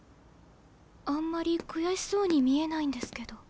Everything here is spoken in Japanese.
あんまり悔しそうに見えないんですけど。